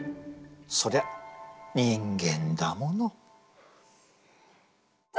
そりゃ人間だもの。